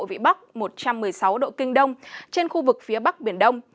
vị bắc một trăm một mươi sáu độ kinh đông trên khu vực phía bắc biển đông